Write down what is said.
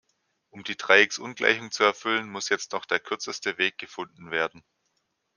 Um die Dreiecksungleichung zu erfüllen, muss jetzt noch der kürzeste Weg gefunden werden.